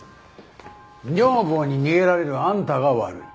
女房に逃げられるあんたが悪い。